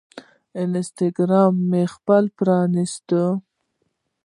انسټاګرام مې خپل راپرانیست